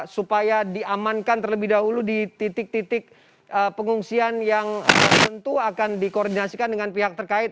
supaya diamankan terlebih dahulu di titik titik pengungsian yang tentu akan dikoordinasikan dengan pihak terkait